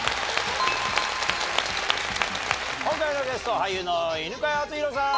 今回のゲスト俳優の犬飼貴丈さん！